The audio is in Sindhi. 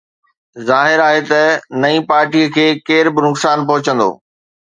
ظاهر آهي ته نئين پارٽيءَ کي ڪير به نقصان پهچندو